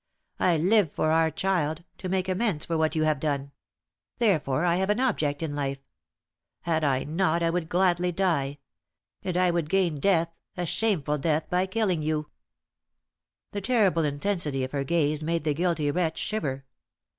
I live for our child to make amends for what you have done. Therefore, I have an object in life. Had I not, I would gladly die; and I would gain death a shameful death by killing you." The terrible intensity of her gaze made the guilty wretch shiver.